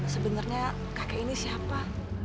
sebenarnya kakek ini siapa